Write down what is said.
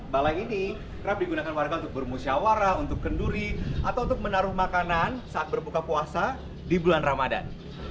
balai ini kerap digunakan warga untuk bermusyawarah untuk kenduri atau untuk menaruh makanan saat berbuka puasa di bulan ramadan